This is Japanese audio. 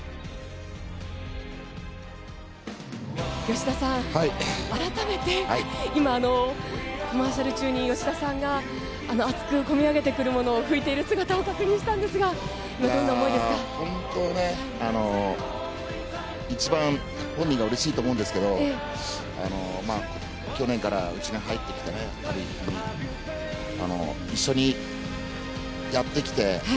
吉田さん、改めて今、コマーシャル中に吉田さんが熱くこみ上げてくるものを拭いている姿を確認したんですが本当、一番本人がうれしいと思うんですけど去年からうちに入ってきて一緒にやってきて。